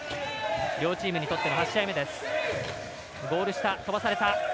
両チームにとっての８試合目です。